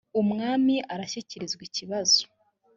umwami arashyikirizwa ikibazo